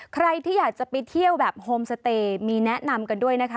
ใครที่อยากจะไปเที่ยวแบบโฮมสเตย์มีแนะนำกันด้วยนะคะ